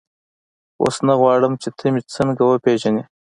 اوس نه غواړم چې ته مې هېڅکله وپېژنې.